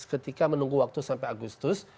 ketika menunggu waktu sampai agustus